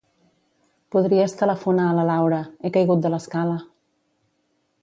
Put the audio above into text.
Podries telefonar a la Laura; he caigut de l'escala.